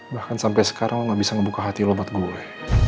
bahkan sampai sekarang gak bisa ngebuka hati loh buat gue